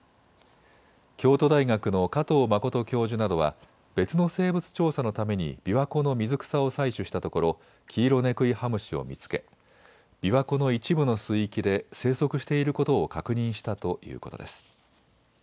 京都大学の加藤真教授などは別の生物調査のためにびわ湖の水草を採取したところキイロネクイハムシを見つけびわ湖の一部の水域で生息していることを確認したということです。